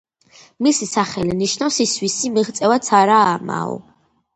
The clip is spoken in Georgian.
მისი სახელი ნიშნავს „ის, ვისი მიღწევაც არაა ამაო“.